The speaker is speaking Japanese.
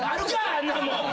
あんなもん。